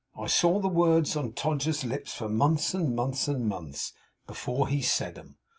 I saw the words on Todgers's lips for months and months and months, before he said 'em.